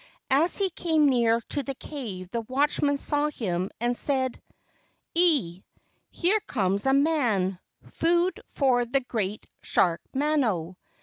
As he came near to the cave the watchmen saw him and said:— "E, here comes a man, food for the great [shark] Mano.